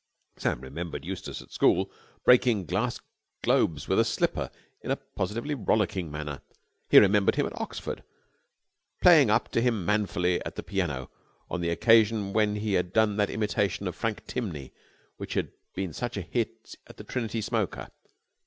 Sam remembered Eustace at school breaking gas globes with a slipper in a positively rollicking manner. He remembered him at Oxford playing up to him manfully at the piano on the occasion when he had done that imitation of Frank Tinney which had been such a hit at the Trinity smoker.